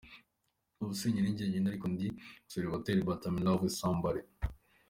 Ubu sinkiri njyenyine ariko ndi umuseribateri but i ‘m in love with some body.